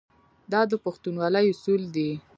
دا د پښتونولۍ اصول دي.